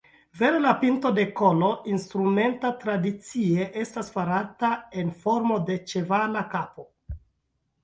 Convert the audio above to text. Vere, la pinto de kolo instrumenta tradicie estas farata en formo de ĉevala kapo.